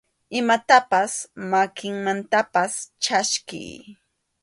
Imatapas makinmantapas chaskiy.